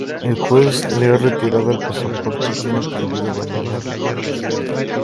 El juez le ha retirado el pasaporte y tiene prohibido abandonar el país.